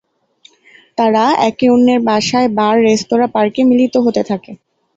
তারা একে অন্যের বাসায়, বার, রেস্তোরাঁ, পার্কে মিলিত হতে থাকে।